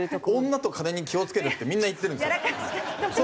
「女と金に気を付けろ」ってみんな言ってるんですよ。